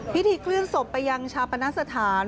เคลื่อนศพไปยังชาปนสถาน